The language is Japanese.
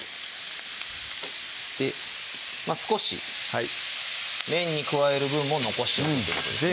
少し麺に加える分も残しておくということですね